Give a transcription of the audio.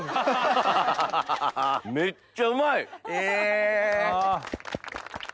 めっちゃうまい！え！